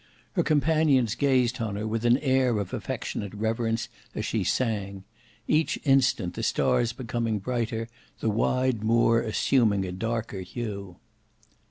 Her companions gazed on her with an air of affectionate reverence as she sang; each instant the stars becoming brighter, the wide moor assuming a darker hue.